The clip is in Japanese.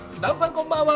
こんばんは。